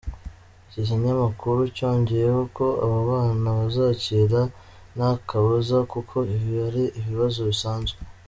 Iki kinyamakuru cyongeyeho ko aba bana bazakira nta kabuza kuko ibi ari ibibazo bisanzwe.